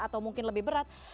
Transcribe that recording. atau mungkin lebih berat